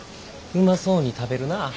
うまそうに食べるなぁ。